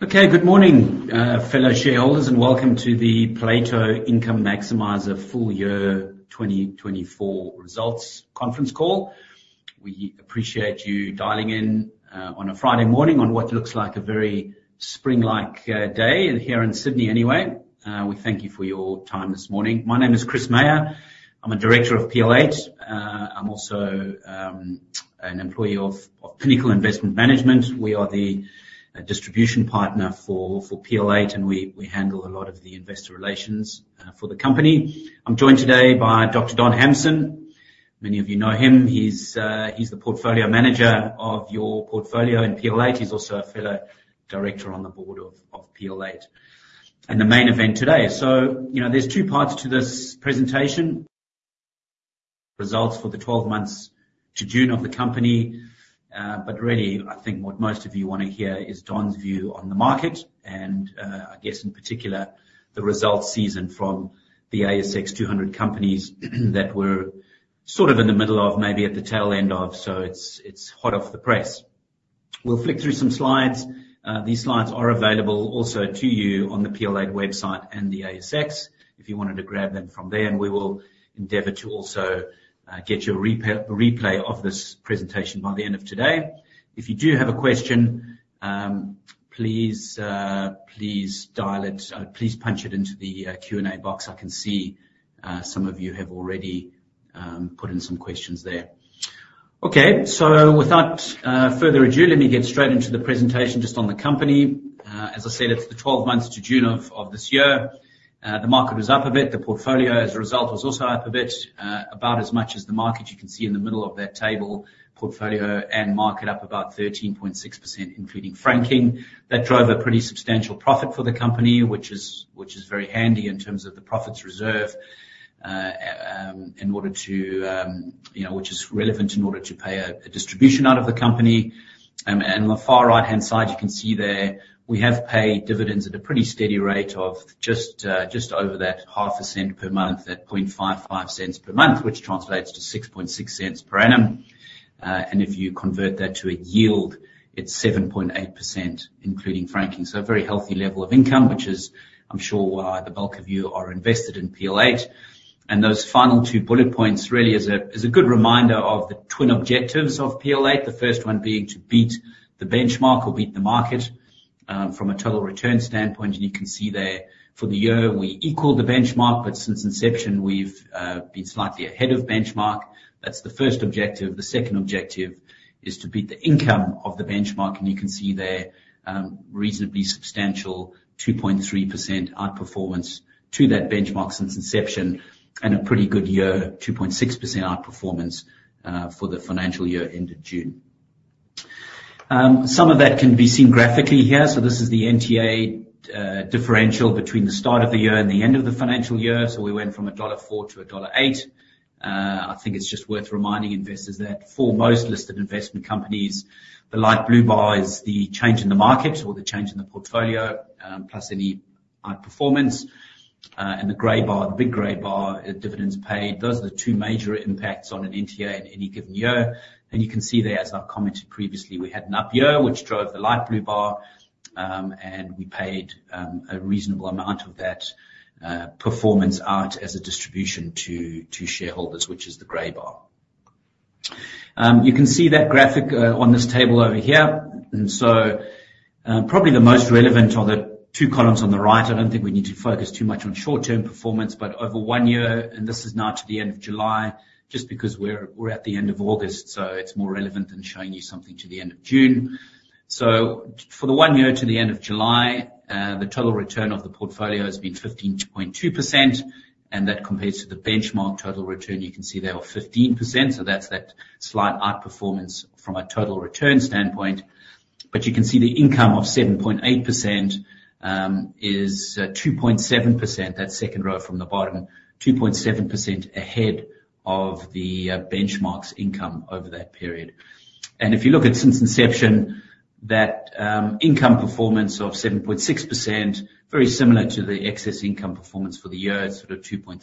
Okay, good morning, fellow shareholders, and welcome to the Plato Income Maximizer Full Year twenty twenty-four Results conference call. We appreciate you dialing in on a Friday morning on what looks like a very spring-like day, and here in Sydney anyway. We thank you for your time this morning. My name is Chris Meyer. I'm a director of PL8. I'm also an employee of Pinnacle Investment Management. We are the distribution partner for PL8, and we handle a lot of the investor relations for the company. I'm joined today by Dr. Don Hamson. Many of you know him. He's the portfolio manager of your portfolio in PL8. He's also a fellow director on the board of PL8. And the main event today: So, you know, there's two parts to this presentation. Results for the twelve months to June of the company, but really, I think what most of you want to hear is Don's view on the market, and I guess in particular, the results season from the ASX 200 companies that we're sort of in the middle of, maybe at the tail end of, so it's hot off the press. We'll flick through some slides. These slides are available also to you on the PL8 website and the ASX. If you wanted to grab them from there, and we will endeavor to also get you a replay of this presentation by the end of today. If you do have a question, please punch it into the Q&A box. I can see some of you have already put in some questions there. Okay, so without further ado, let me get straight into the presentation just on the company. As I said, it's the twelve months to June of this year. The market was up a bit. The portfolio, as a result, was also up a bit, about as much as the market. You can see in the middle of that table, portfolio and market up about 13.6%, including franking. That drove a pretty substantial profit for the company, which is very handy in terms of the profit reserve, in order to, you know, which is relevant in order to pay a distribution out of the company. And on the far right-hand side, you can see there, we have paid dividends at a pretty steady rate of just over that half a cent per month, at 0.0055 per month, which translates to 0.066 per annum. And if you convert that to a yield, it's 7.8%, including franking. So a very healthy level of income, which is, I'm sure, why the bulk of you are invested in PL8. And those final two bullet points really is a good reminder of the twin objectives of PL8. The first one being to beat the benchmark or beat the market, from a total return standpoint. And you can see there for the year we equaled the benchmark, but since inception, we've been slightly ahead of benchmark. That's the first objective. The second objective is to beat the income of the benchmark, and you can see there, reasonably substantial 2.3% outperformance to that benchmark since inception, and a pretty good year, 2.6% outperformance, for the financial year end of June. Some of that can be seen graphically here. So this is the NTA differential between the start of the year and the end of the financial year. So we went from $1.04 to $1.08. I think it's just worth reminding investors that for most listed investment companies, the light blue bar is the change in the market or the change in the portfolio, plus any outperformance, and the gray bar, the big gray bar, dividends paid. Those are the two major impacts on an NTA at any given year. You can see there, as I've commented previously, we had an up year, which drove the light blue bar, and we paid a reasonable amount of that performance out as a distribution to shareholders, which is the gray bar. You can see that graphic on this table over here, and so probably the most relevant are the two columns on the right. I don't think we need to focus too much on short-term performance, but over one year, and this is now to the end of July, just because we're at the end of August, so it's more relevant than showing you something to the end of June. For the one year to the end of July, the total return of the portfolio has been 15.2%, and that compares to the benchmark total return. You can see there of 15%, so that's that slight outperformance from a total return standpoint. But you can see the income of 7.8% is 2.7%, that second row from the bottom, 2.7% ahead of the benchmark's income over that period. And if you look at since inception, that income performance of 7.6%, very similar to the excess income performance for the year, sort of 2.3%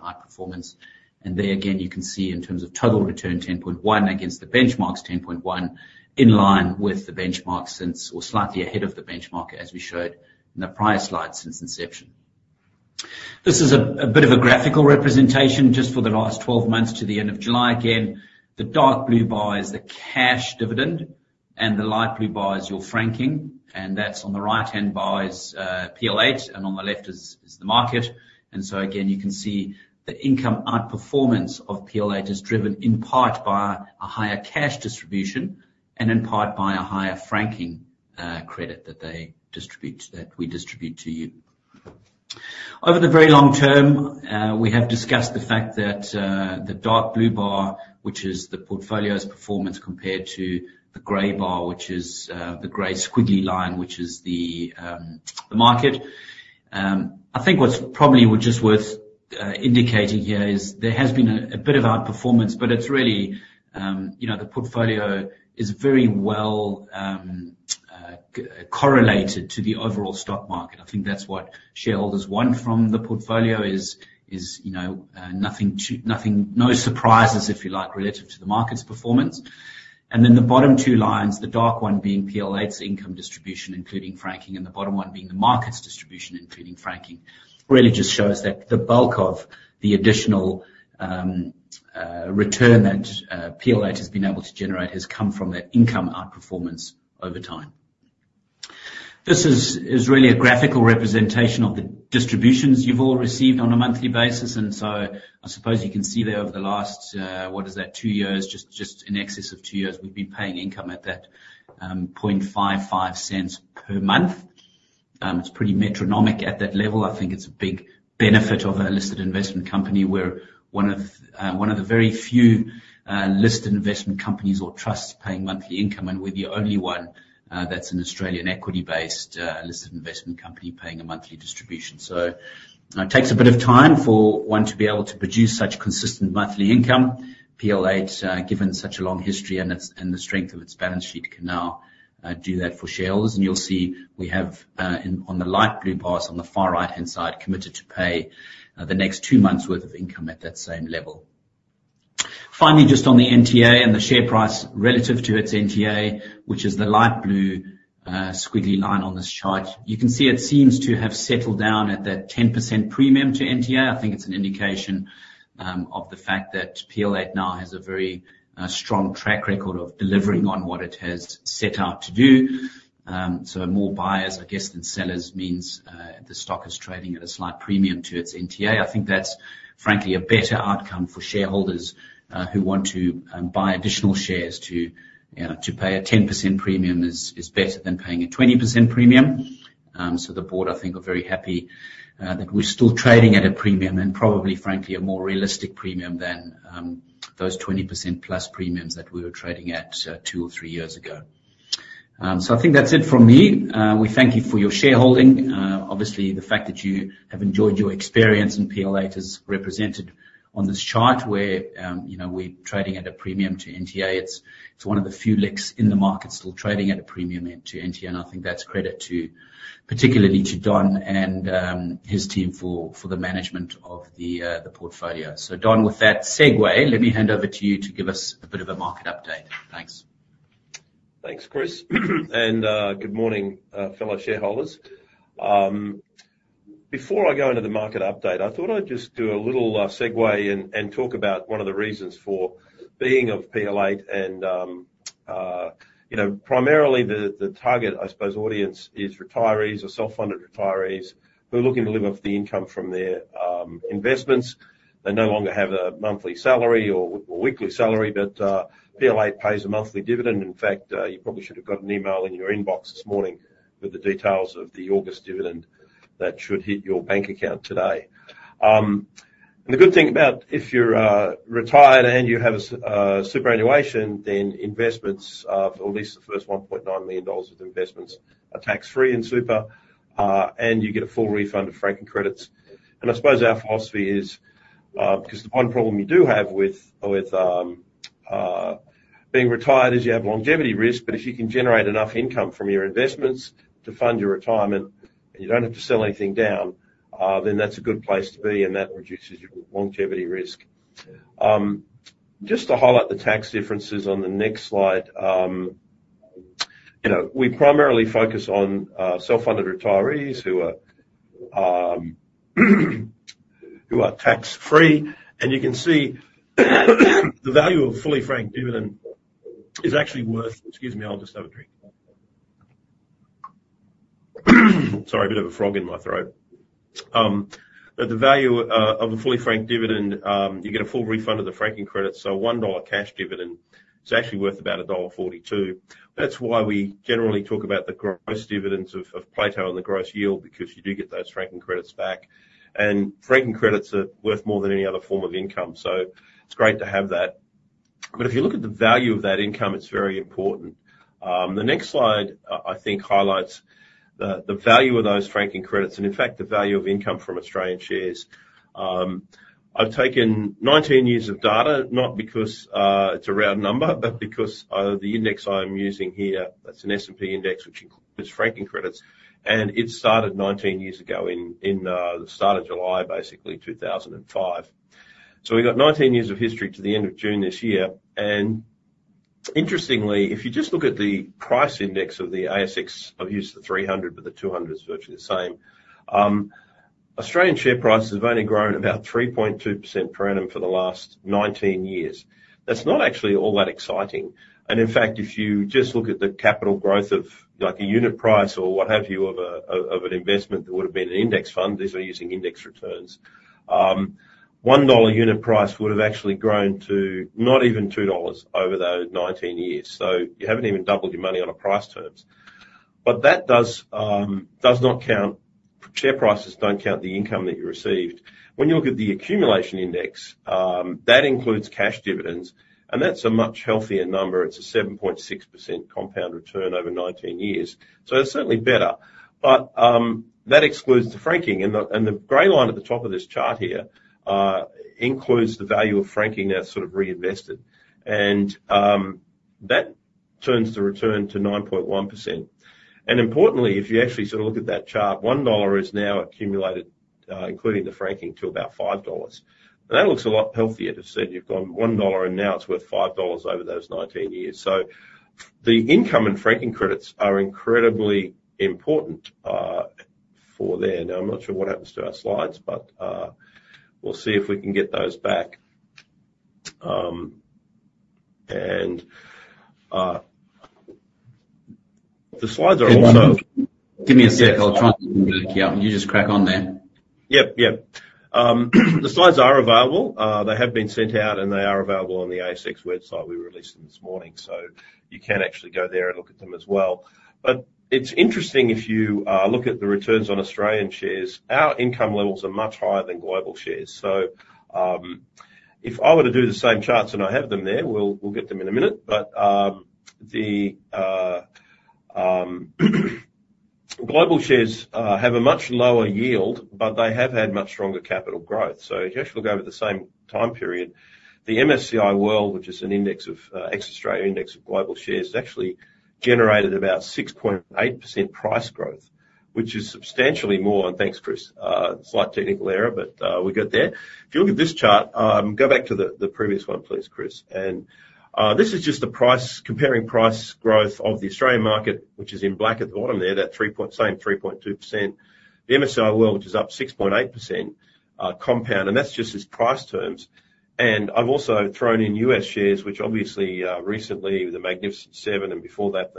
outperformance. And there again, you can see in terms of total return, 10.1 against the benchmark's 10.1, in line with the benchmark since... Or slightly ahead of the benchmark, as we showed in the prior slide, since inception. This is a bit of a graphical representation, just for the last 12 months to the end of July. Again, the dark blue bar is the cash dividend, and the light blue bar is your franking, and that's on the right-hand bar is PL8, and on the left is the market. And so again, you can see the income outperformance of PL8 is driven in part by a higher cash distribution, and in part by a higher franking credit that they distribute, that we distribute to you. Over the very long term, we have discussed the fact that the dark blue bar, which is the portfolio's performance, compared to the gray bar, which is the gray squiggly line, which is the market. I think what's probably just worth indicating here is there has been a bit of outperformance, but it's really, you know, the portfolio is very well correlated to the overall stock market. I think that's what shareholders want from the portfolio is, you know, no surprises, if you like, relative to the market's performance, and then the bottom two lines, the dark one being PL8's income distribution, including franking, and the bottom one being the market's distribution, including franking. Really just shows that the bulk of the additional return that PL8 has been able to generate has come from that income outperformance over time. This is really a graphical representation of the distributions you've all received on a monthly basis, and so I suppose you can see there over the last, what is that? Two years, just in excess of two years, we've been paying income at that 0.0055 per month. It's pretty metronomic at that level. I think it's a big benefit of a listed investment company. We're one of the very few listed investment companies or trusts paying monthly income, and we're the only one that's an Australian equity-based listed investment company paying a monthly distribution. So it takes a bit of time for one to be able to produce such consistent monthly income. PL8, given such a long history and the strength of its balance sheet, can now do that for shareholders, and you'll see we have in on the light blue bars on the far right-hand side committed to pay the next two months' worth of income at that same level. Finally, just on the NTA and the share price relative to its NTA, which is the light blue squiggly line on this chart. You can see it seems to have settled down at that 10% premium to NTA. I think it's an indication of the fact that PL8 now has a very strong track record of delivering on what it has set out to do. So more buyers, I guess, than sellers means the stock is trading at a slight premium to its NTA. I think that's frankly a better outcome for shareholders who want to buy additional shares to, you know, to pay a 10% premium is better than paying a 20% premium. So the board, I think, are very happy that we're still trading at a premium and probably frankly a more realistic premium than those 20% plus premiums that we were trading at two or three years ago. So I think that's it from me. We thank you for your shareholding. Obviously, the fact that you have enjoyed your experience in PL8 is represented on this chart where, you know, we're trading at a premium to NTA. It's one of the few LICs in the market still trading at a premium to NTA, and I think that's credit to, particularly to Don and his team for the management of the portfolio. So Don, with that segue, let me hand over to you to give us a bit of a market update. Thanks. Thanks, Chris, and good morning, fellow shareholders. Before I go into the market update, I thought I'd just do a little segue and talk about one of the reasons for being of PL8. You know, primarily the target, I suppose, audience is retirees or self-funded retirees who are looking to live off the income from their investments. They no longer have a monthly salary or weekly salary, but PL8 pays a monthly dividend. In fact, you probably should have got an email in your inbox this morning with the details of the August dividend that should hit your bank account today. And the good thing about if you're retired and you have superannuation, then investments, or at least the first 1.9 million dollars of investments, are tax-free in super, and you get a full refund of franking credits. And I suppose our philosophy is, 'cause the one problem you do have with being retired is you have longevity risk, but if you can generate enough income from your investments to fund your retirement, and you don't have to sell anything down, then that's a good place to be, and that reduces your longevity risk. Just to highlight the tax differences on the next slide. You know, we primarily focus on self-funded retirees who are tax-free, and you can see the value of a fully franked dividend is actually worth... Excuse me, I'll just have a drink. Sorry, a bit of a frog in my throat, but the value of a fully franked dividend, you get a full refund of the franking credits, so 1 dollar cash dividend is actually worth about dollar 1.42. That's why we generally talk about the gross dividends of Plato and the gross yield, because you do get those franking credits back. And franking credits are worth more than any other form of income, so it's great to have that, but if you look at the value of that income, it's very important. The next slide I think highlights the value of those franking credits, and in fact, the value of income from Australian shares. I've taken 19 years of data, not because it's a round number, but because the index I'm using here, that's an S&P index, which includes franking credits, and it started 19 years ago in the start of July, basically 2005. So we've got 19 years of history to the end of June this year, and interestingly, if you just look at the price index of the ASX, I've used the 300, but the 200 is virtually the same. Australian share prices have only grown about 3.2% per annum for the last 19 years. That's not actually all that exciting, and in fact, if you just look at the capital growth of, like, a unit price or what have you, of an investment, that would have been an index fund, these are using index returns. 1 dollar unit price would have actually grown to not even 2 dollars over those nineteen years, so you haven't even doubled your money on a price terms. But that does not count. Share prices don't count the income that you received. When you look at the accumulation index, that includes cash dividends, and that's a much healthier number. It's a 7.6% compound return over nineteen years, so it's certainly better. But that excludes the franking, and the gray line at the top of this chart here includes the value of franking that's sort of reinvested. And that turns the return to 9.1%. And importantly, if you actually sort of look at that chart, one dollar is now accumulated including the franking to about five dollars. And that looks a lot healthier to say you've gone one dollar and now it's worth five dollars over those 19 years. So the income and franking credits are incredibly important for there. Now, I'm not sure what happens to our slides, but we'll see if we can get those back. And the slides are also- Give me a sec. I'll try and get them back out. You just crack on there. Yep, yep. The slides are available. They have been sent out, and they are available on the ASX website. We released them this morning, so you can actually go there and look at them as well. But it's interesting. If you look at the returns on Australian shares, our income levels are much higher than global shares. So, if I were to do the same charts, and I have them there, we'll get them in a minute. But the global shares have a much lower yield, but they have had much stronger capital growth. So if you actually go over the same time period, the MSCI World, which is an index of ex-Australia index of global shares, has actually generated about 6.8% price growth, which is substantially more. And thanks, Chris. Slight technical error, but we'll get there. If you look at this chart. Go back to the previous one, please, Chris. This is just the price, comparing price growth of the Australian market, which is in black at the bottom there, that 3.2%, same 3.2%. The MSCI World, which is up 6.8% compound, and that's just as price terms. I've also thrown in US shares, which obviously recently the Magnificent Seven, and before that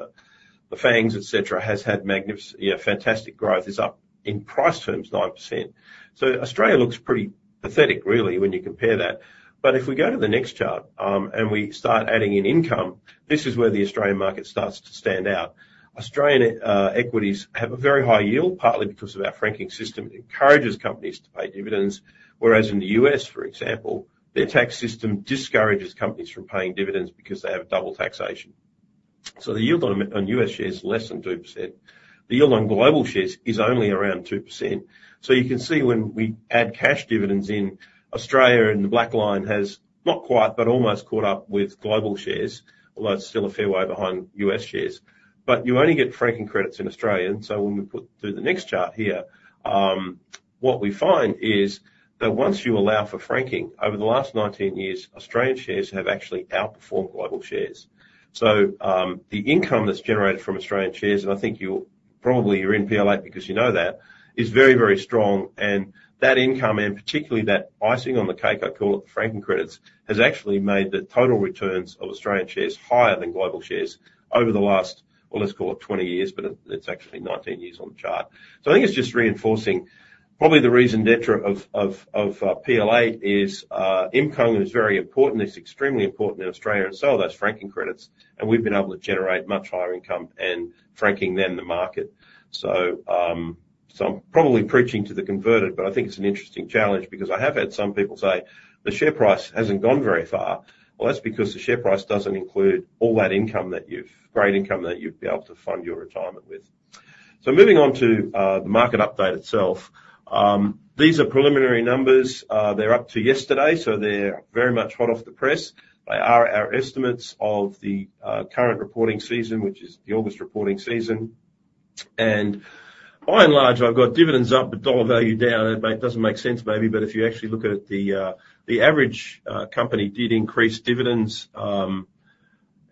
the FANGs, et cetera, has had magnificent, yeah, fantastic growth, is up in price terms, 9%. So Australia looks pretty pathetic really when you compare that. If we go to the next chart and we start adding in income, this is where the Australian market starts to stand out. Australian equities have a very high yield, partly because of our franking system. It encourages companies to pay dividends, whereas in the U.S., for example, their tax system discourages companies from paying dividends because they have double taxation. So the yield on U.S. shares is less than 2%. The yield on global shares is only around 2%. So you can see when we add cash dividends in, Australia in the black line has not quite, but almost caught up with global shares, although it's still a fair way behind U.S. shares. But you only get franking credits in Australia, and so when we put through the next chart here, what we find is that once you allow for franking, over the last 19 years, Australian shares have actually outperformed global shares. So, the income that's generated from Australian shares, and I think you're probably in PL8 because you know that, is very, very strong, and that income, and particularly that icing on the cake, I call it, the franking credits, has actually made the total returns of Australian shares higher than global shares over the last, well, let's call it twenty years, but it's actually nineteen years on the chart. I think it's just reinforcing probably the raison d'être of PL8 is, income is very important. It's extremely important in Australia, and so are those franking credits, and we've been able to generate much higher income and franking than the market. So, I'm probably preaching to the converted, but I think it's an interesting challenge because I have had some people say: "The share price hasn't gone very far." Well, that's because the share price doesn't include all that income, great income that you'd be able to fund your retirement with. So moving on to the market update itself. These are preliminary numbers. They're up to yesterday, so they're very much hot off the press. They are our estimates of the current reporting season, which is the August reporting season. And by and large, I've got dividends up, but dollar value down. It might, doesn't make sense, maybe, but if you actually look at it, the average company did increase dividends,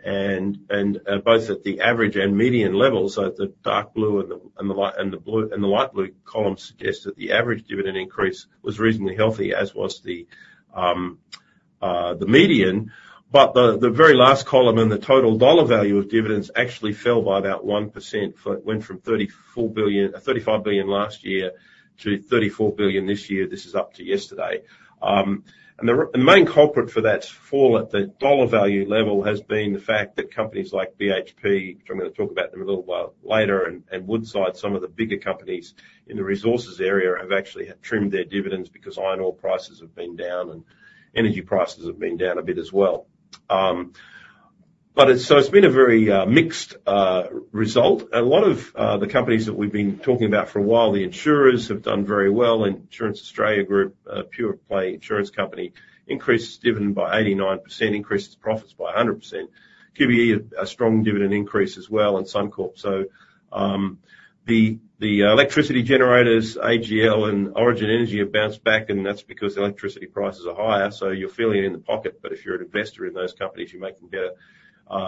and both at the average and median levels, so at the dark blue and the light blue column suggests that the average dividend increase was reasonably healthy, as was the median. But the very last column, the total dollar value of dividends actually fell by about 1%. For it went from 35 billion last year to 34 billion this year. This is up to yesterday. And the main culprit for that fall at the dollar value level has been the fact that companies like BHP, which I'm going to talk about them a little while later, and Woodside, some of the bigger companies in the resources area, have actually trimmed their dividends because iron ore prices have been down and energy prices have been down a bit as well. But it's been a very mixed result. A lot of the companies that we've been talking about for a while, the insurers, have done very well. Insurance Australia Group, a pure play insurance company, increased its dividend by 89%, increased its profits by 100%. QBE, a strong dividend increase as well, and Suncorp. The electricity generators, AGL and Origin Energy, have bounced back, and that's because electricity prices are higher, so you're feeling it in the pocket. But if you're an investor in those companies, you're making better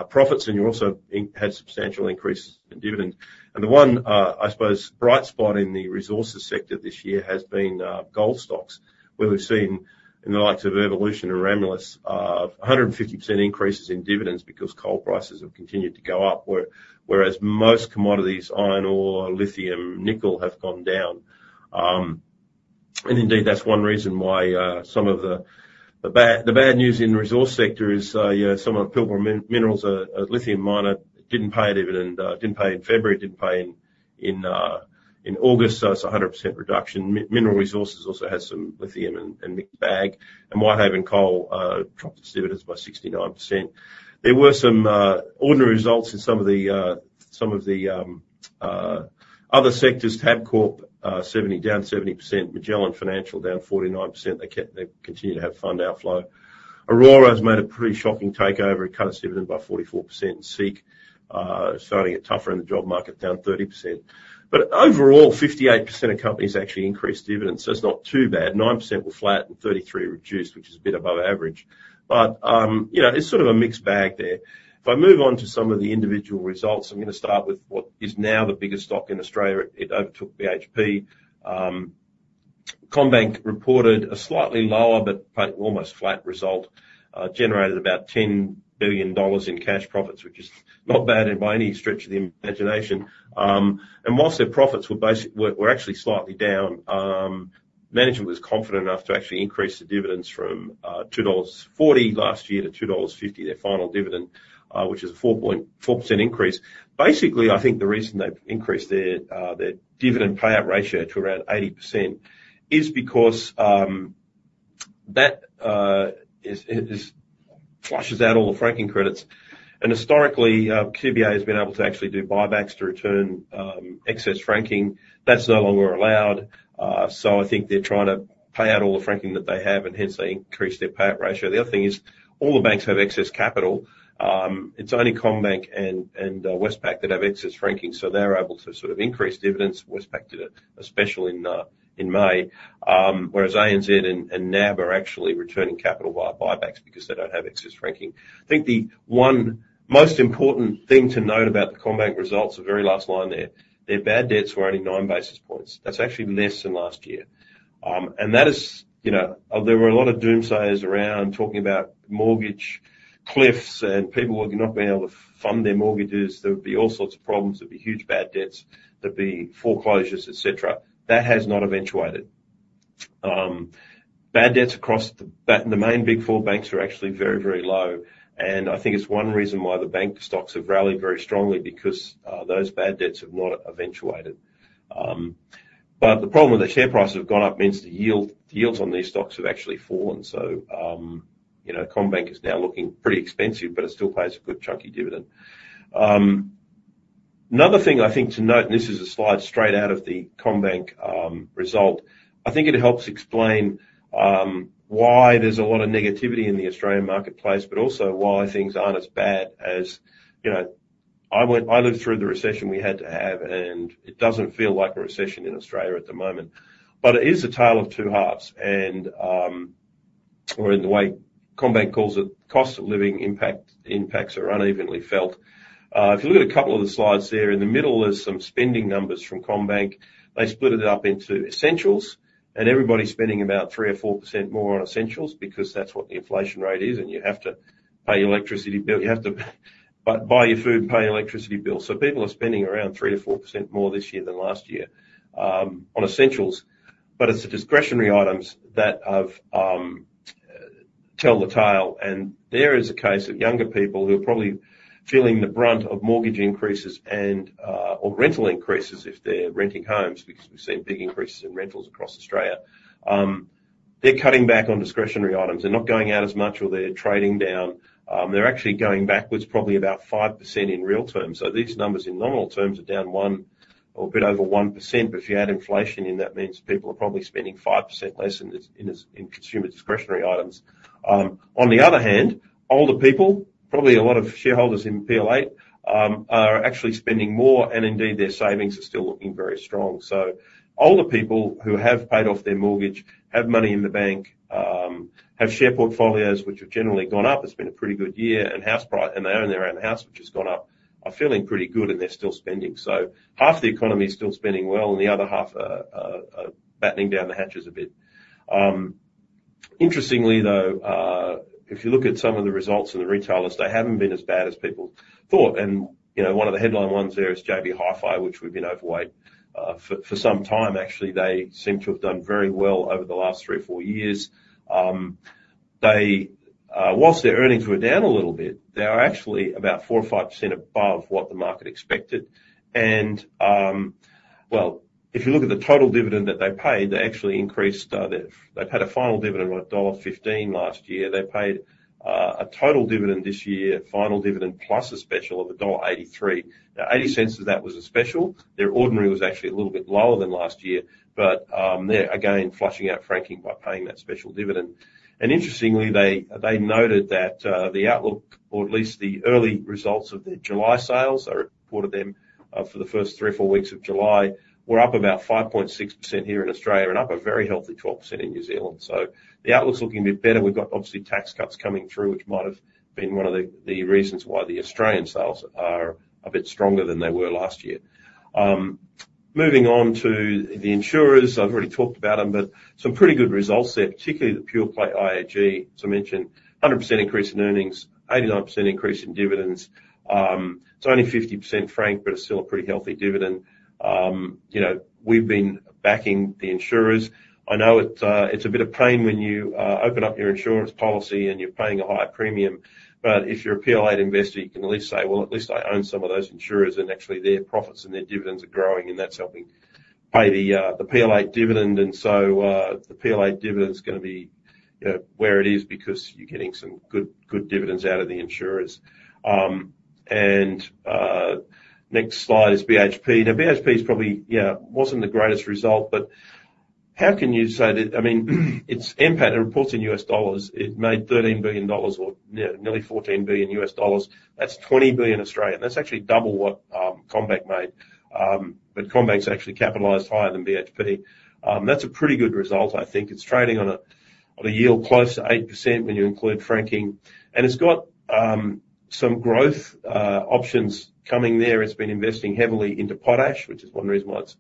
profits, and you also had substantial increases in dividends. The one, I suppose, bright spot in the resources sector this year has been gold stocks, where we've seen, in the likes of Evolution and Ramelius, 150% increases in dividends because coal prices have continued to go up, whereas most commodities, iron ore, lithium, nickel, have gone down. And indeed, that's one reason why some of the bad news in the resource sector is some of Pilbara Minerals, a lithium miner, didn't pay a dividend, didn't pay in February, didn't pay in August, so it's a 100% reduction. Mineral Resources also has some lithium in the bag, and Whitehaven Coal dropped its dividends by 69%. There were some ordinary results in some of the other sectors. Tabcorp, down 70%. Magellan Financial, down 49%. They continue to have fund outflow. Orora's made a pretty shocking takeover. It cut its dividend by 44%. Seek, starting to get tougher in the job market, down 30%. But overall, 58% of companies actually increased dividends, so it's not too bad. 9% were flat, and 33 reduced, which is a bit above average. But, you know, it's sort of a mixed bag there. If I move on to some of the individual results, I'm gonna start with what is now the biggest stock in Australia. It overtook BHP. CommBank reported a slightly lower but almost flat result, generated about 10 billion dollars in cash profits, which is not bad, by any stretch of the imagination. And while their profits were actually slightly down, management was confident enough to actually increase the dividends from 2.40 dollars last year to 2.50 dollars, their final dividend, which is a 4% increase. Basically, I think the reason they've increased their their dividend payout ratio to around 80% is because that flushes out all the franking credits, and historically QBE has been able to actually do buybacks to return excess franking. That's no longer allowed, so I think they're trying to pay out all the franking that they have, and hence they increased their payout ratio. The other thing is, all the banks have excess capital. It's only CommBank and Westpac that have excess franking, so they're able to sort of increase dividends. Westpac did it, especially in May. Whereas ANZ and NAB are actually returning capital via buybacks because they don't have excess franking. I think the one most important thing to note about the CommBank results, the very last line there, their bad debts were only nine basis points. That's actually less than last year, and that is, you know, there were a lot of doomsayers around talking about mortgage cliffs and people not being able to fund their mortgages. There would be all sorts of problems. There'd be huge bad debts, there'd be foreclosures, et cetera. That has not eventuated. Bad debts across the main big four banks are actually very, very low, and I think it's one reason why the bank stocks have rallied very strongly, because, those bad debts have not eventuated, but the problem with the share price have gone up means the yield, the yields on these stocks have actually fallen. So, you know, CommBank is now looking pretty expensive, but it still pays a good chunky dividend. Another thing I think to note, and this is a slide straight out of the CommBank result. I think it helps explain why there's a lot of negativity in the Australian marketplace, but also why things aren't as bad as... You know, I went - I lived through the recession we had to have, and it doesn't feel like a recession in Australia at the moment. But it is a tale of two halves and, or in the way CommBank calls it, cost of living impact, impacts are unevenly felt. If you look at a couple of the slides there, in the middle, there's some spending numbers from CommBank. They split it up into essentials, and everybody's spending about 3 or 4% more on essentials, because that's what the inflation rate is, and you have to pay your electricity bill. You have to buy your food and pay your electricity bill, so people are spending around 3-4% more this year than last year on essentials, but it's the discretionary items that have tell the tale, and there is a case of younger people who are probably feeling the brunt of mortgage increases and or rental increases if they're renting homes, because we've seen big increases in rentals across Australia. They're cutting back on discretionary items. They're not going out as much or they're trading down. They're actually going backwards, probably about 5% in real terms. So these numbers, in nominal terms, are down 1% or a bit over 1%, but if you add inflation in, that means people are probably spending 5% less in consumer discretionary items. On the other hand, older people, probably a lot of shareholders in PL8, are actually spending more, and indeed, their savings are still looking very strong. Older people who have paid off their mortgage, have money in the bank, have share portfolios which have generally gone up, it's been a pretty good year, and they own their own house, which has gone up, are feeling pretty good, and they're still spending. Half the economy is still spending well, and the other half are battening down the hatches a bit. Interestingly, though, if you look at some of the results of the retailers, they haven't been as bad as people thought. You know, one of the headline ones there is JB Hi-Fi, which we've been overweight for some time, actually. They seem to have done very well over the last three or four years. Whilst their earnings were down a little bit, they are actually about 4%-5% above what the market expected, and well, if you look at the total dividend that they paid, they actually increased. They paid a final dividend of dollar 1.15 last year. They paid a total dividend this year, final dividend plus a special, of dollar 1.83. Now, 0.80 of that was a special. Their ordinary was actually a little bit lower than last year, but they're again flushing out franking by paying that special dividend. And interestingly, they noted that the outlook, or at least the early results of their July sales, they reported them for the first three or four weeks of July, were up about 5.6% here in Australia and up a very healthy 12% in New Zealand. So the outlook's looking a bit better. We've got, obviously, tax cuts coming through, which might have been one of the reasons why the Australian sales are a bit stronger than they were last year. Moving on to the insurers. I've already talked about them, but some pretty good results there, particularly the pure play IAG. As I mentioned, 100% increase in earnings, 89% increase in dividends. It's only 50% franked, but it's still a pretty healthy dividend. You know, we've been backing the insurers. I know it's, it's a bit of pain when you, open up your insurance policy and you're paying a higher premium, but if you're a PL8 investor, you can at least say, "Well, at least I own some of those insurers, and actually their profits and their dividends are growing, and that's helping pay the PL8 dividend," and so, the PL8 dividend is gonna be, you know, where it is because you're getting some good, good dividends out of the insurers. Next slide is BHP. Now, BHP is probably, you know, wasn't the greatest result, but how can you say that, I mean, its impact, it reports in US dollars. It made $13 billion, or, you know, nearly $14 billion USD. That's 20 billion. That's actually double what CommBank made. But CommBank's actually capitalized higher than BHP. That's a pretty good result, I think. It's trading on a yield close to 8% when you include franking. And it's got some growth options coming there. It's been investing heavily into potash, which is one reason why its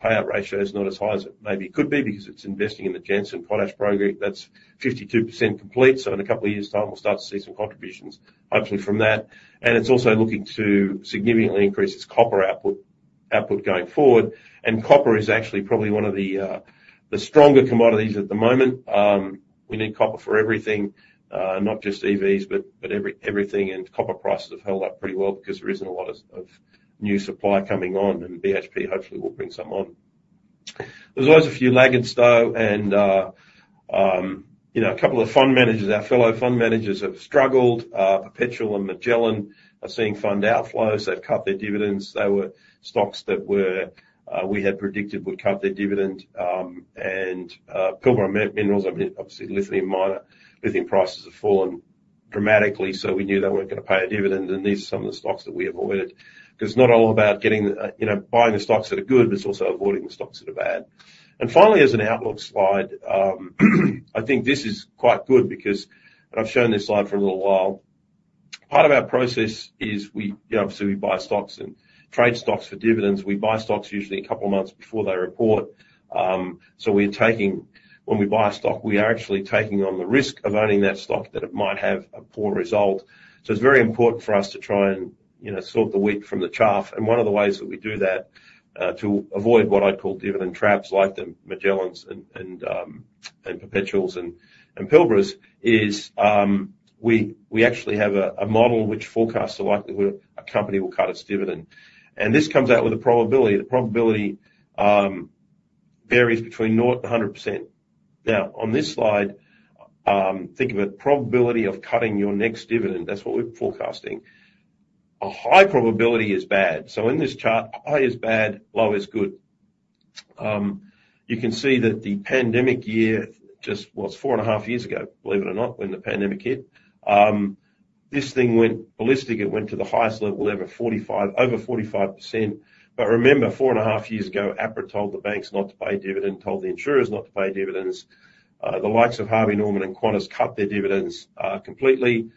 payout ratio is not as high as it maybe could be, because it's investing in the Jansen Potash Project. That's 52% complete, so in a couple of years' time, we'll start to see some contributions, hopefully from that. And it's also looking to significantly increase its copper output going forward. And copper is actually probably one of the stronger commodities at the moment. We need copper for everything, not just EVs, but everything, and copper prices have held up pretty well because there isn't a lot of new supply coming on, and BHP hopefully will bring some on. There's always a few laggards, though, and you know, a couple of fund managers, our fellow fund managers have struggled. Perpetual and Magellan are seeing fund outflows. They've cut their dividends. They were stocks that we had predicted would cut their dividend. Pilbara Minerals, I mean, obviously, lithium miner, lithium prices have fallen dramatically, so we knew they weren't gonna pay a dividend, and these are some of the stocks that we avoided. 'Cause it's not all about getting, you know, buying the stocks that are good, but it's also avoiding the stocks that are bad. And finally, as an outlook slide, I think this is quite good because... And I've shown this slide for a little while. Part of our process is we, you know, obviously, we buy stocks and trade stocks for dividends. We buy stocks usually a couple of months before they report. So we're taking - when we buy a stock, we are actually taking on the risk of owning that stock, that it might have a poor result. So it's very important for us to try and, you know, sort the wheat from the chaff. And one of the ways that we do that, to avoid what I'd call dividend traps, like the Magellan's and Perpetuals and Pilbaras, is we actually have a model which forecasts the likelihood a company will cut its dividend. And this comes out with a probability. The probability varies between zero and 100%. Now, on this slide, think of it: probability of cutting your next dividend, that's what we're forecasting. A high probability is bad. So in this chart, high is bad, low is good. You can see that the pandemic year, well, it's four and a half years ago, believe it or not, when the pandemic hit. This thing went ballistic. It went to the highest level ever, 45, over 45%. But remember, four and a half years ago, APRA told the banks not to pay a dividend, told the insurers not to pay dividends. The likes of Harvey Norman and Qantas cut their dividends completely.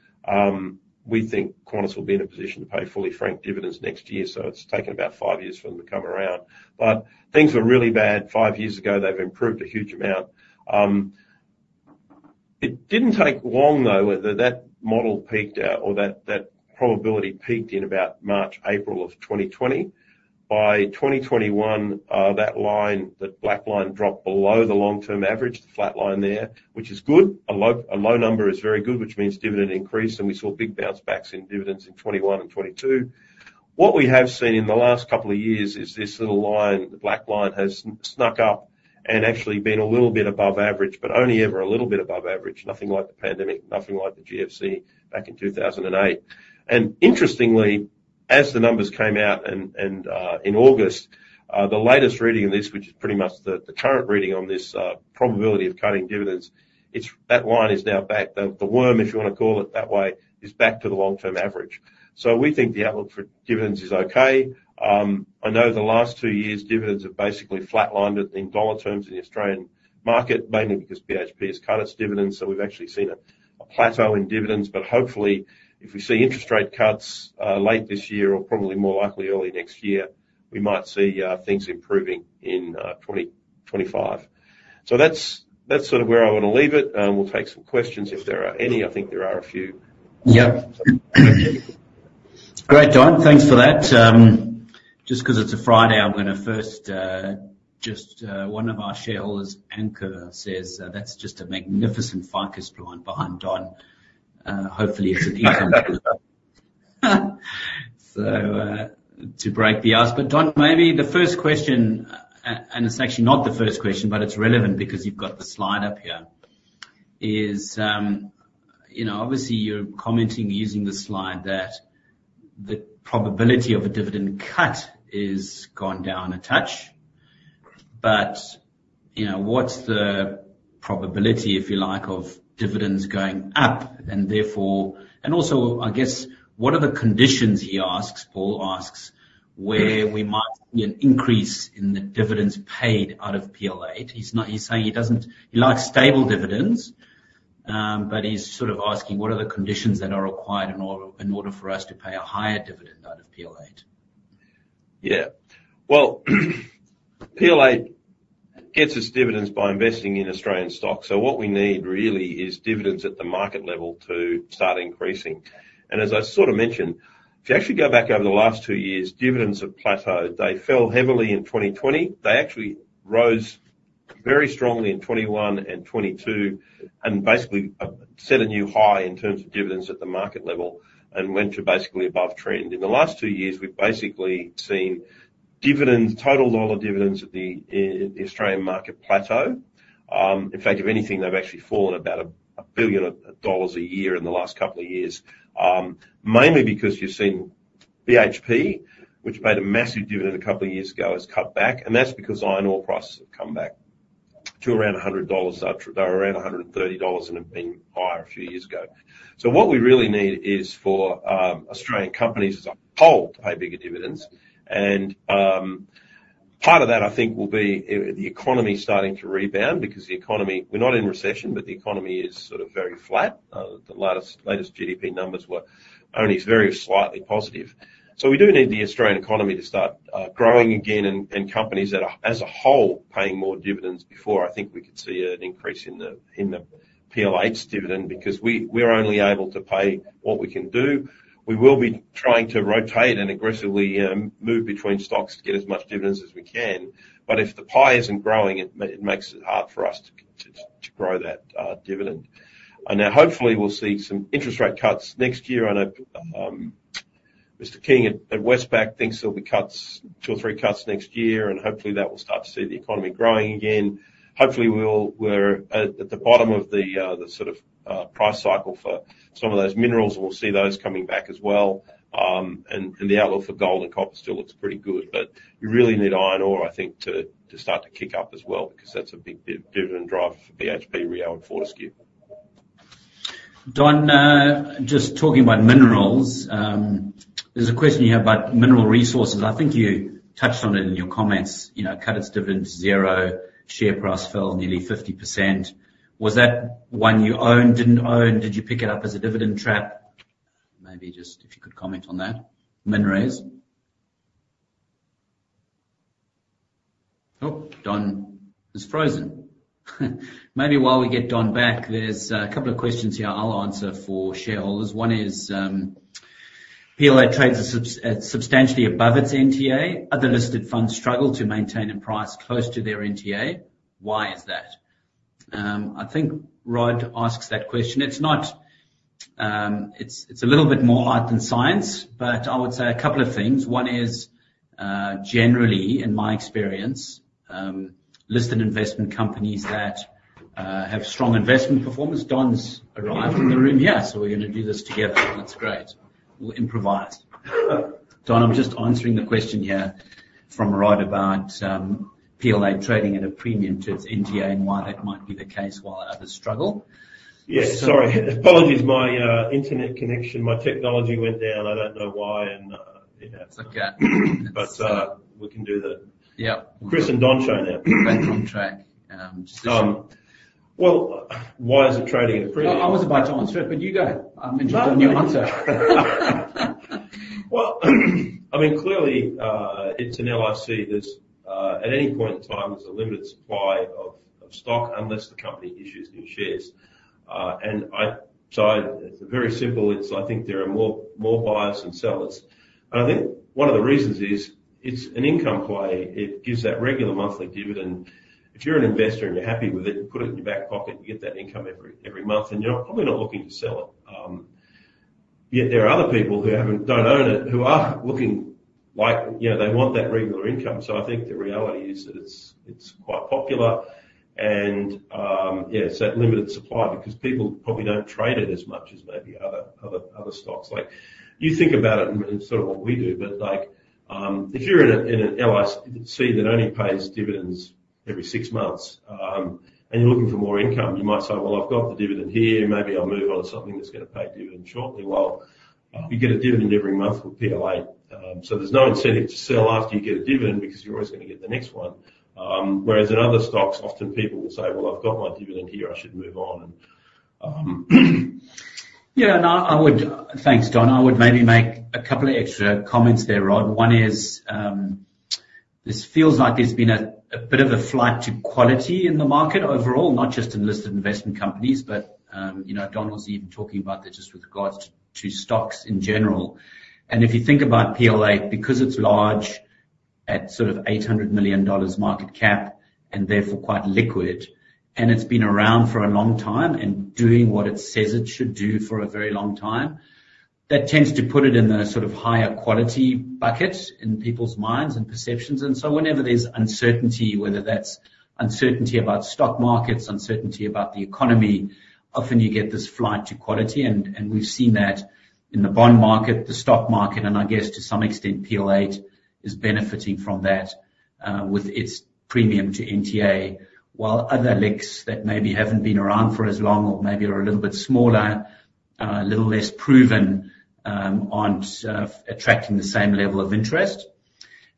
We think Qantas will be in a position to pay fully franked dividends next year, so it's taken about five years for them to come around. But things were really bad five years ago. They've improved a huge amount. It didn't take long, though, that model peaked out, or that, that probability peaked in about March, April of 2020. By 2021, that line, that black line dropped below the long-term average, the flat line there, which is good. A low number is very good, which means dividend increase, and we saw big bounce backs in dividends in 2021 and 2022. What we have seen in the last couple of years is this little line, the black line, has snuck up and actually been a little bit above average, but only ever a little bit above average. Nothing like the pandemic, nothing like the GFC back in 2008. Interestingly, as the numbers came out in August, the latest reading of this, which is pretty much the current reading on this probability of cutting dividends, that line is now back. The worm, if you want to call it that way, is back to the long-term average. So we think the outlook for dividends is okay. I know the last two years, dividends have basically flatlined in dollar terms in the Australian market, mainly because BHP has cut its dividends, so we've actually seen a plateau in dividends. But hopefully, if we see interest rate cuts late this year or probably more likely early next year, we might see things improving in twenty twenty-five. That's sort of where I want to leave it, and we'll take some questions if there are any. I think there are a few. Yeah. Great, Don. Thanks for that. Just 'cause it's a Friday, I'm gonna first, one of our shareholders, Ankur, says, "That's just a magnificent ficus plant behind Don." Hopefully, it's an easy one. So, to break the ice. But Don, maybe the first question, and it's actually not the first question, but it's relevant because you've got the slide up here, is, you know, obviously, you're commenting using the slide, that the probability of a dividend cut is gone down a touch. But, you know, what's the probability, if you like, of dividends going up? And therefore, and also, I guess, what are the conditions, he asks, Paul asks, where we might see an increase in the dividends paid out of PLA? He's saying he likes stable dividends, but he's sort of asking, what are the conditions that are required in order for us to pay a higher dividend out of PL8? Yeah. PL8 gets its dividends by investing in Australian stocks, so what we need really is dividends at the market level to start increasing. And as I sort of mentioned, if you actually go back over the last two years, dividends have plateaued. They fell heavily in twenty twenty. They actually rose very strongly in 2021 and 2022, and basically set a new high in terms of dividends at the market level and went to basically above trend. In the last two years, we've basically seen dividends, total dollar dividends at the Australian market plateau. In fact, if anything, they've actually fallen about 1 billion dollars a year in the last couple of years, mainly because you've seen BHP, which made a massive dividend a couple of years ago, has cut back, and that's because iron ore prices have come back to around $100. They were around $130 and have been higher a few years ago. So what we really need is for Australian companies as a whole to pay bigger dividends. And part of that, I think, will be the economy starting to rebound, because the economy... We're not in recession, but the economy is sort of very flat. The latest GDP numbers were only very slightly positive. We do need the Australian economy to start growing again and companies that are as a whole paying more dividends before I think we could see an increase in the PL8's dividend, because we're only able to pay what we can do. We will be trying to rotate and aggressively move between stocks to get as much dividends as we can. But if the pie isn't growing, it makes it hard for us to grow that dividend. And now, hopefully, we'll see some interest rate cuts next year. I know Mr. King at Westpac thinks there'll be cuts, two or three cuts next year, and hopefully that will start to see the economy growing again. Hopefully, we're at the bottom of the price cycle for some of those minerals, and we'll see those coming back as well. The outlook for gold and copper still looks pretty good, but you really need iron ore, I think, to start to kick up as well, because that's a big dividend drive for BHP, Rio, and Fortescue. Don, just talking about minerals, there's a question here about Mineral Resources. I think you touched on it in your comments, you know, cut its dividends to zero, share price fell nearly 50%. Was that one you owned, didn't own? Did you pick it up as a dividend trap? Maybe just if you could comment on that. MinRes. Oh, Don is frozen. Maybe while we get Don back, there's a couple of questions here I'll answer for shareholders. One is: PLA trades at substantially above its NTA. Other listed funds struggle to maintain a price close to their NTA. Why is that? I think Rod asks that question. It's not, it's a little bit more art than science, but I would say a couple of things. One is, generally, in my experience, listed investment companies that have strong investment performance - Don's arrived in the room here, so we're gonna do this together. That's great. We'll improvise. Don, I'm just answering the question here from Rod about PLA trading at a premium to its NTA and why that might be the case while others struggle. Yeah, sorry. Apologies, my internet connection, my technology went down. I don't know why, and yeah. It's okay. But, we can do Yeah. Chris and Don show now. Back on track, Well, why is it trading at a premium? I was about to answer it, but you go. I'm interested in your answer. I mean, clearly, it's an LIC. There's at any point in time, there's a limited supply of stock unless the company issues new shares. And so it's very simple. I think there are more buyers than sellers. And I think one of the reasons is, it's an income play. It gives that regular monthly dividend. If you're an investor and you're happy with it, you put it in your back pocket, you get that income every month, and you're probably not looking to sell it. Yet there are other people who don't own it, who are looking, like, you know, they want that regular income. So I think the reality is that it's quite popular, and yeah, it's that limited supply, because people probably don't trade it as much as maybe other stocks. Like, you think about it in sort of what we do, but like, if you're in an LIC that only pays dividends every six months, and you're looking for more income, you might say, "Well, I've got the dividend here. Maybe I'll move on to something that's gonna pay dividend shortly." Well, you get a dividend every month with Plato. So there's no incentive to sell after you get a dividend, because you're always gonna get the next one. Whereas in other stocks, often people will say, "Well, I've got my dividend here, I should move on," and, Yeah, no, I would. Thanks, Don. I would maybe make a couple of extra comments there, Rod. One is, this feels like there's been a bit of a flight to quality in the market overall, not just in listed investment companies, but, you know, Don was even talking about that just with regards to stocks in general. And if you think about PLA, because it's large, at sort of 800 million dollars market cap, and therefore quite liquid, and it's been around for a long time and doing what it says it should do for a very long time, that tends to put it in the sort of higher quality bucket in people's minds and perceptions. And so whenever there's uncertainty, whether that's uncertainty about stock markets, uncertainty about the economy, often you get this flight to quality, and we've seen that in the bond market, the stock market, and I guess to some extent, PLA is benefiting from that, with its premium to NTA, while other LICs that maybe haven't been around for as long or maybe are a little bit smaller, a little less proven, aren't attracting the same level of interest.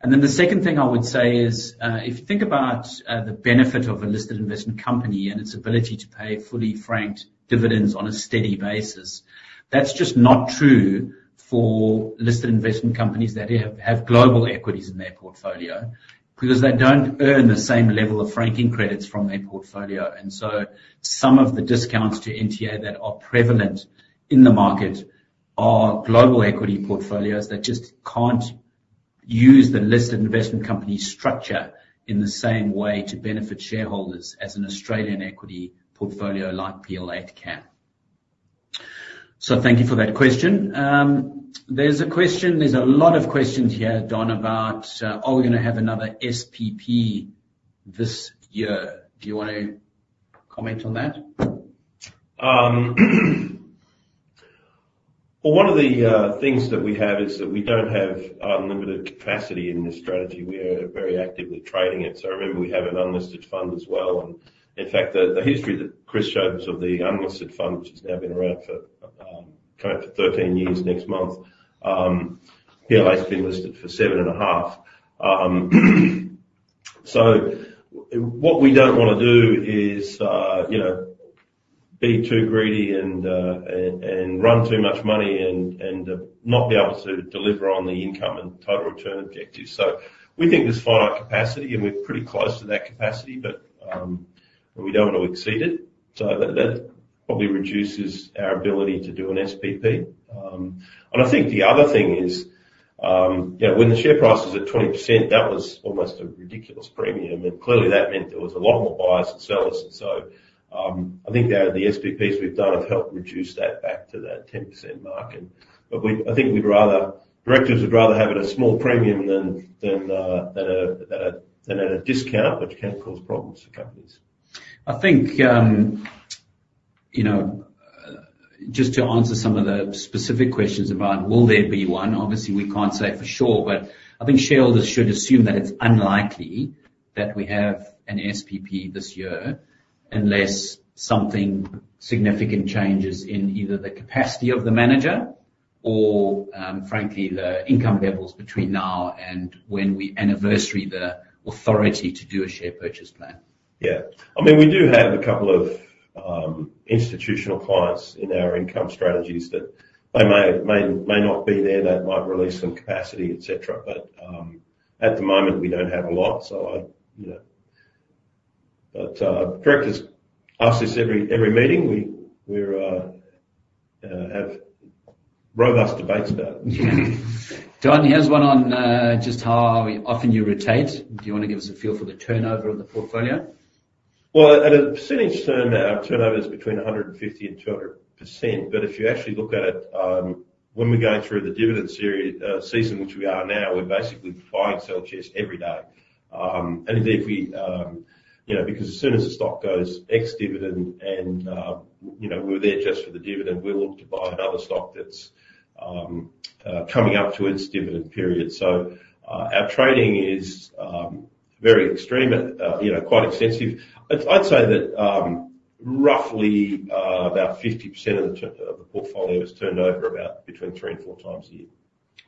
And then the second thing I would say is, if you think about, the benefit of a listed investment company and its ability to pay fully franked dividends on a steady basis, that's just not true for listed investment companies that have global equities in their portfolio, because they don't earn the same level of franking credits from their portfolio. And so some of the discounts to NTA that are prevalent in the market are global equity portfolios that just can't use the Listed Investment Company structure in the same way to benefit shareholders as an Australian equity portfolio like PL8 can. So thank you for that question. There's a lot of questions here, Don, about are we gonna have another SPP this year? Do you want to comment on that? Well, one of the things that we have is that we don't have unlimited capacity in this strategy. We are very actively trading it. So I remember we have an unlisted fund as well, and in fact, the history that Chris showed us of the unlisted fund, which has now been around for coming up to thirteen years next month. PL8's been listed for seven and a half. So what we don't want to do is, you know, be too greedy and run too much money and not be able to deliver on the income and total return objectives. So we think there's finite capacity, and we're pretty close to that capacity, but we don't want to exceed it. So that probably reduces our ability to do an SPP. I think the other thing is, you know, when the share price was at 20%, that was almost a ridiculous premium, and clearly that meant there was a lot more buyers than sellers. So, I think the SPPs we've done have helped reduce that back to that 10% mark. But I think we'd rather directors would rather have it a small premium than at a discount, which can cause problems for companies. I think, you know, just to answer some of the specific questions about will there be one? Obviously, we can't say for sure, but I think shareholders should assume that it's unlikely that we have an SPP this year, unless something significant changes in either the capacity of the manager or, frankly, the income levels between now and when we anniversary the authority to do a share purchase plan. Yeah. I mean, we do have a couple of institutional clients in our income strategies that they may not be there, that might release some capacity, et cetera. But at the moment, we don't have a lot, so I, you know. But directors ask this every meeting. We have robust debates about it. Don, here's one on just how often you rotate. Do you want to give us a feel for the turnover of the portfolio? Well, at a percentage turnover, our turnover is between 150% and 200%. But if you actually look at it, when we're going through the dividend season, which we are now, we're basically buying, selling shares every day. And indeed, we, you know, because as soon as the stock goes ex-dividend and, you know, we're there just for the dividend, we look to buy another stock that's coming up to its dividend period. So, our trading is very extreme and, you know, quite extensive. I'd say that, roughly, about 50% of the portfolio is turned over about between three and four times a year.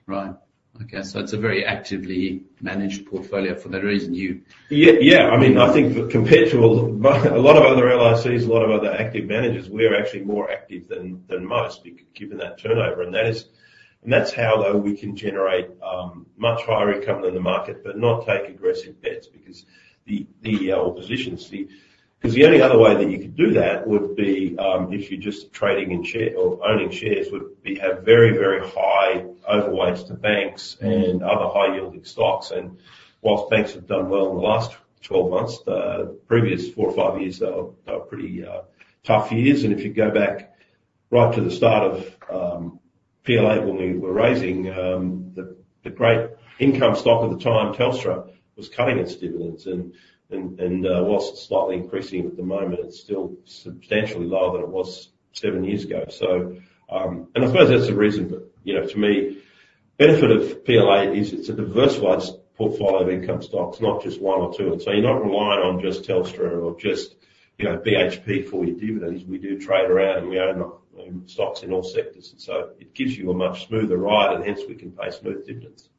Right. Okay, so it's a very actively managed portfolio for that reason, you- Yeah, I mean, I think compared to a lot of other LICs, a lot of other active managers, we are actually more active than most given that turnover, and that's how, though, we can generate much higher income than the market, but not take aggressive bets because the positions, the. 'Cause the only other way that you could do that would be, if you're just trading in share or owning shares, would be, have very, very high overweights to banks and other high-yielding stocks. And whilst banks have done well in the last twelve months, the previous four or five years, they were pretty tough years. And if you go back right to the start of Plato, when we were raising the great income stock at the time, Telstra, was cutting its dividends. While it's slightly increasing at the moment, it's still substantially lower than it was seven years ago, and I suppose that's the reason but, you know, to me, benefit of PL8 is it's a diversified portfolio of income stocks, not just one or two, and so you're not relying on just Telstra or just, you know, BHP for your dividends. We do trade around, and we own stocks in all sectors, and so it gives you a much smoother ride, and hence we can pay smooth dividends.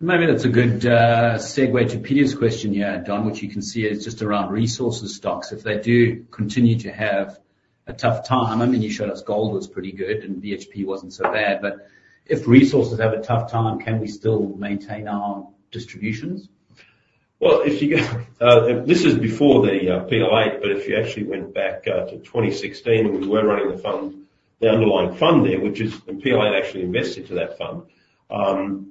Maybe that's a good segue to Peter's question here, Don, which you can see is just around resources stocks. If they do continue to have a tough time, I mean, you showed us gold was pretty good and BHP wasn't so bad, but if resources have a tough time, can we still maintain our distributions? If you go, this is before the PL8, but if you actually went back to 2016, when we were running the fund, the underlying fund there, which is, and PL8 actually invested to that fund,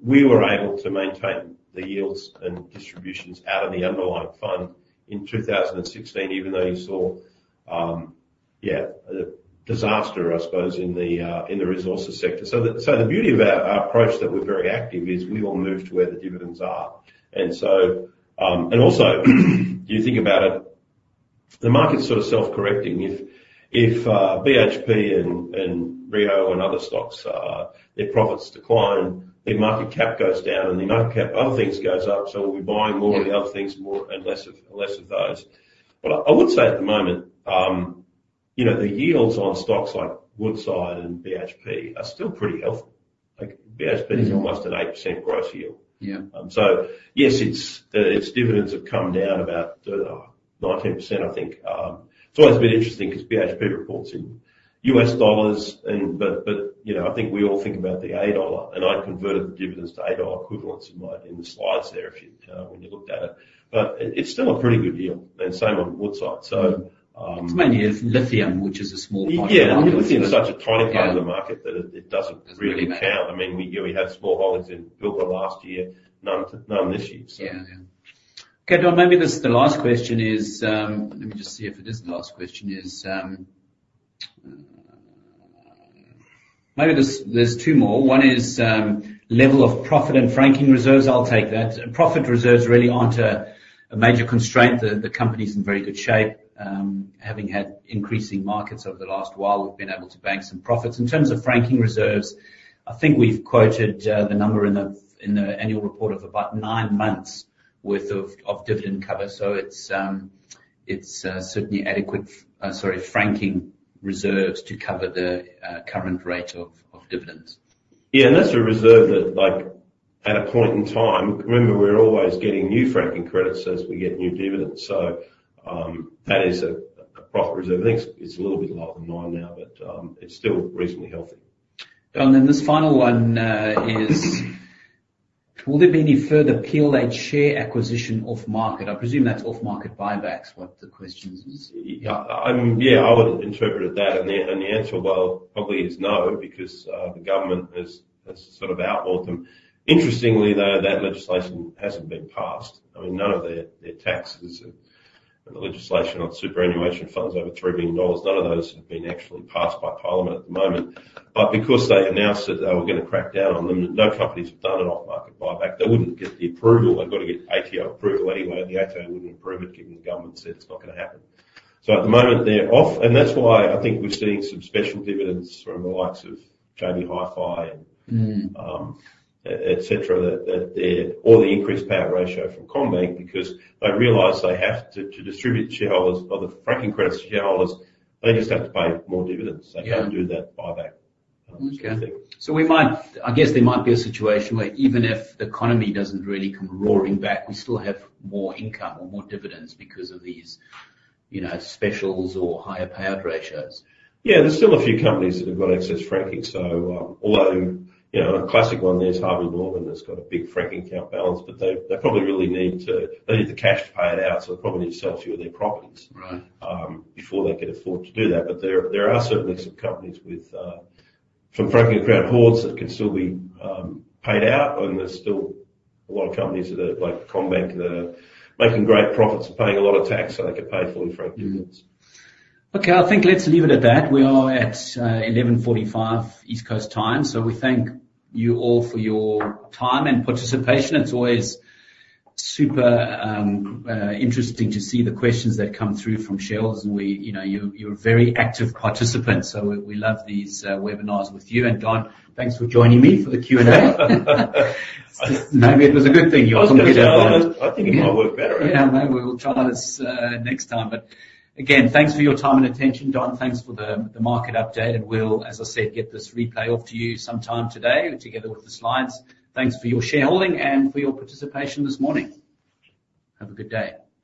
we were able to maintain the yields and distributions out of the underlying fund in 2016, even though you saw a disaster, I suppose, in the resources sector. So the beauty of our approach that we're very active is we will move to where the dividends are. And so, and also, you think about it, the market's sort of self-correcting. If BHP and Rio and other stocks their profits decline, their market cap goes down, and the other things goes up, so we'll be buying more of the other things and less of those. But I would say at the moment, you know, the yields on stocks like Woodside and BHP are still pretty healthy. Like, BHP- Mm. -is almost an 8% growth yield. Yeah. So yes, its dividends have come down about 19%, I think. It's always a bit interesting because BHP reports in US dollars, but you know, I think we all think about the A dollar, and I converted the dividends to A dollar equivalents in the slides there, if you, when you looked at it. But it's still a pretty good deal, and same on Woodside. It's mainly lithium, which is a small part of the market. Yeah, lithium is such a tiny part- Yeah -of the market that it doesn't really count. Really matter. I mean, we had small holdings in Pilbara last year, none this year. Yeah, yeah. Okay, Don, maybe this, the last question is, let me just see if it is the last question, is, maybe there's two more. One is, level of profit and franking reserves. I'll take that. Profit reserves really aren't a major constraint. The company's in very good shape. Having had increasing markets over the last while, we've been able to bank some profits. In terms of franking reserves, I think we've quoted the number in the annual report of about nine months worth of dividend cover. So it's certainly adequate, sorry, franking reserves to cover the current rate of dividends. Yeah, and that's a reserve that, like, at a point in time... Remember, we're always getting new franking credits as we get new dividends, so, that is a profit reserve. I think it's a little bit lower than nine now, but, it's still reasonably healthy. And then this final one is: Will there be any further PL8 share acquisition off-market? I presume that's off-market buybacks, what the question is. Yeah, yeah, I would interpret it that, and the answer, well, probably is no, because the government has sort of outlawed them. Interestingly, though, that legislation hasn't been passed. I mean, none of their taxes and the legislation on superannuation funds over 3 billion dollars, none of those have been actually passed by Parliament at the moment. But because they announced that they were gonna crack down on them, no companies have done an off-market buyback. They wouldn't get the approval. They've got to get ATO approval anyway, and the ATO wouldn't approve it, given the government said it's not gonna happen. So at the moment, they're off, and that's why I think we're seeing some special dividends from the likes of JB Hi-Fi and- Mm. that they're or the increased payout ratio from CommBank, because they realize they have to distribute to shareholders or the franking credit to shareholders, they just have to pay more dividends. Yeah. They can't do that buyback, sort of thing. Okay, so I guess there might be a situation where even if the economy doesn't really come roaring back, we still have more income or more dividends because of these, you know, specials or higher payout ratios. Yeah, there's still a few companies that have got excess franking, so, although, you know, a classic one there is Harvey Norman, that's got a big franking account balance, but they probably really need to... They need the cash to pay it out, so they probably need to sell a few of their properties- Right... before they could afford to do that. But there are certainly some companies with some franking credit hoards that could still be paid out, and there's still a lot of companies that are, like CommBank, that are making great profits and paying a lot of tax, so they could pay fully franked dividends. Mm-hmm. Okay, I think let's leave it at that. We are at 11:45 East Coast time, so we thank you all for your time and participation. It's always super interesting to see the questions that come through from shareholders, and we, you know, you, you're a very active participant, so we love these webinars with you. And, Don, thanks for joining me for the Q&A. Maybe it was a good thing you were completely unmuted. I think it might work better. Yeah, maybe we'll try this next time. But again, thanks for your time and attention. Don, thanks for the market update, and we'll, as I said, get this replay off to you sometime today, together with the slides. Thanks for your shareholding and for your participation this morning. Have a good day.